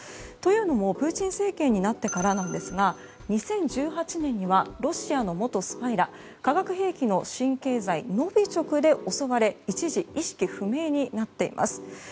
というのもプーチン政権になってからですが２０１８年にはロシアの元スパイらが化学兵器の神経剤ノビチョクで襲われ一時、意識不明になっています。